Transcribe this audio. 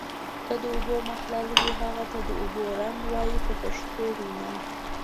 که د اوبو محلل وي هغه ته د اوبو رنګ وایي په پښتو وینا.